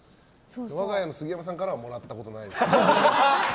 我が家の杉山さんからはもらったことないです。